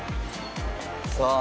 さあ。